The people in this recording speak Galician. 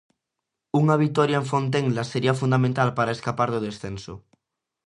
Unha vitoria en Fontenla sería fundamental para escapar do descenso.